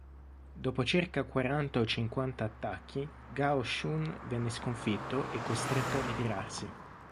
Dopo circa quaranta o cinquanta attacchi, Gao Shun venne sconfitto e costretto a ritirarsi.